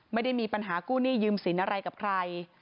ไม่ได้มีปัญหากู้หนี้ยืมสินอะไรกับใคร